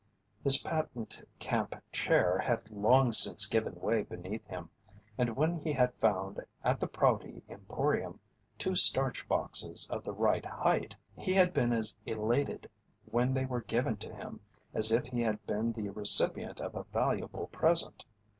His patent camp chair had long since given way beneath him, and when he had found at the Prouty Emporium two starch boxes of the right height, he had been as elated when they were given to him as if he had been the recipient of a valuable present.